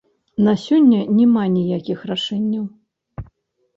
На сёння няма ніякіх рашэнняў.